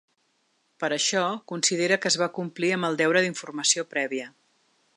Per això, considera que es va complir amb el deure d’informació prèvia.